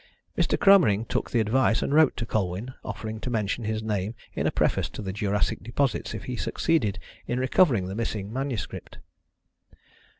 Mr. Cromering took the advice and wrote to Colwyn, offering to mention his name in a preface to The Jurassic Deposits if he succeeded in recovering the missing manuscript.